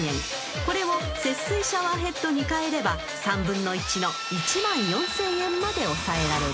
［これを節水シャワーヘッドに換えれば３分の１の１万４，０００円まで抑えられる］